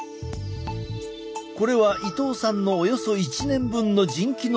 これは伊東さんのおよそ１年分の腎機能の値。